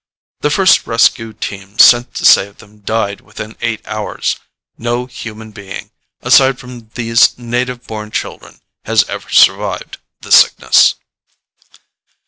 The first rescue team sent to save them died within eight hours. No human being, aside from these native born children, has ever survived the Sickness."